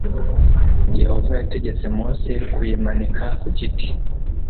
Yehova yategetse Mose kuyimanika ku giti